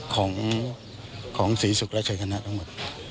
ของสรีสุขรัชชัยคณะทั้งหมด